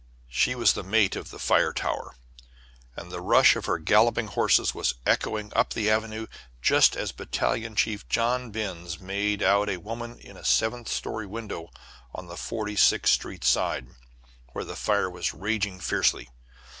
She was the mate of the fire tower, and the rush of her galloping horses was echoing up the avenue just as Battalion Chief John Binns made out a woman in a seventh story window on the Forty sixth Street side, where the fire was raging fiercely.